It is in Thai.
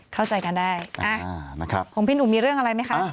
เข้าใจกันได้ของพี่หนูมีเรื่องอะไรไหมคะ